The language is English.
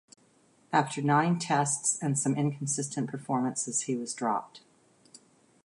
After nine Tests and some inconsistent performances he was dropped.